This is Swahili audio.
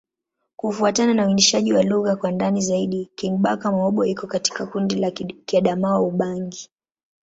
Kufuatana na uainishaji wa lugha kwa ndani zaidi, Kingbaka-Ma'bo iko katika kundi la Kiadamawa-Ubangi.